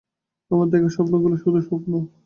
আমার দেখা স্বপ্নগুলো শুধুই স্বপ্ন!